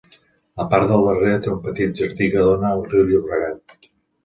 La part del darrere té un petit jardí que dóna al riu Llobregat.